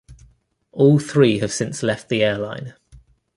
All three have since left the airline.